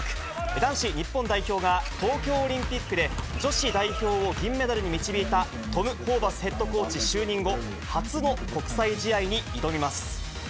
男子日本代表が東京オリンピックで女子代表を銀メダルに導いたトム・ホーバスヘッドコーチ就任後、初の国際試合に挑みます。